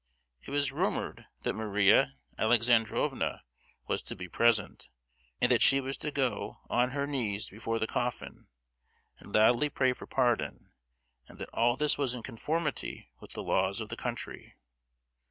It was rumoured that Maria Alexandrovna was to be present, and that she was to go on her knees before the coffin, and loudly pray for pardon; and that all this was in conformity with the laws of the country.